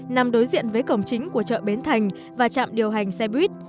nằm đối diện với cổng chính của chợ bến thành và trạm điều hành xe buýt